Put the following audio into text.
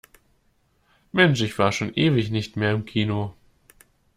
Mensch, ich war schon ewig nicht mehr im Kino.